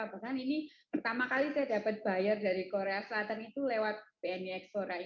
bahkan ini pertama kali saya dapat bayar dari korea selatan itu lewat bni ekspora ini